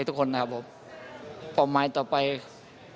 saya menunggu pertempuran ini selama lama